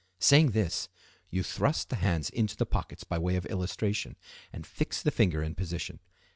'" Saying this, you thrust the hands into the pockets by way of illustration, and fix the finger in position.